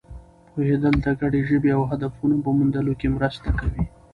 پوهېدل د ګډې ژبې او هدفونو په موندلو کې مرسته کوي.